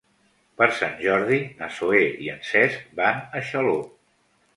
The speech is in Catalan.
Per Sant Jordi na Zoè i en Cesc van a Xaló.